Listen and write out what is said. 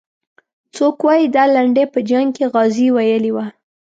څوک وایي دا لنډۍ په جنګ کې غازي ویلې وه.